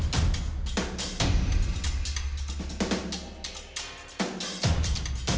ya itu bisa disitu